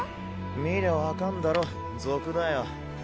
見りゃ分かんだろ賊だよ